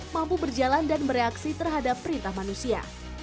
mampu berjalan dan bereaksi terhadap perintah manusia